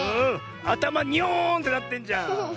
あたまニョーンってなってんじゃん。